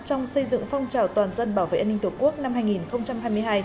trong xây dựng phong trào toàn dân bảo vệ an ninh tổ quốc năm hai nghìn hai mươi hai